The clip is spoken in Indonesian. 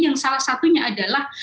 yang salah satunya adalah